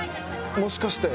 もしかして。